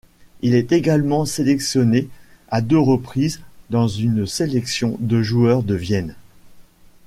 Il est également sélectionné à deux reprises dans une sélection de joueurs de Vienne.